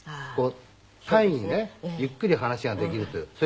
こう対にねゆっくり話ができるという。